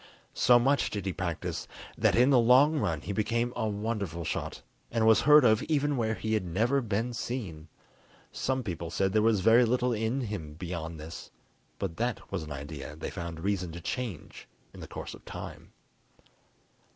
So much did he practice that in the long run he became a wonderful shot, and was heard of even where he had never been seen. Some people said there was very little in him beyond this, but that was an idea they found reason to change in the course of time.